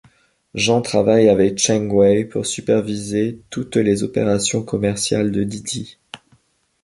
Jean travaille avec Cheng Wei pour superviser toutes les opérations commerciales de DiDi.